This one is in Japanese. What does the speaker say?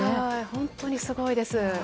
本当にすごいです。